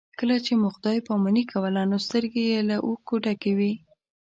چې کله مو خدای پاماني کوله نو سترګې یې له اوښکو ډکې وې.